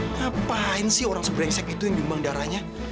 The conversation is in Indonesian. ngapain sih orang sebrengsek itu yang nyumbang darahnya